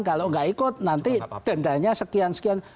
kalau nggak ikut nanti dendanya sekian sekian